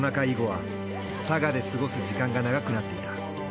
以後は佐賀で過ごす時間が長くなっていた。